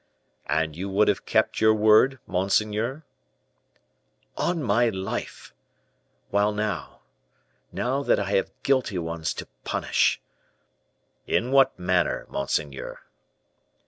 '" "And you would have kept your word, monseigneur?" "On my life! While now now that I have guilty ones to punish " "In what manner, monseigneur?"